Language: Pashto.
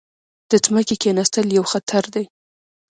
د ځمکې کیناستل یو خطر دی.